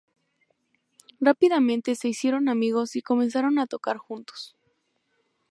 Rápidamente se hicieron amigos y comenzaron a tocar juntos.